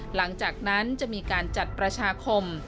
หลังจากนั้นจะมีการจัดประชาคม